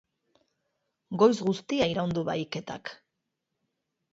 Goiz guztia iraun du bahiketak.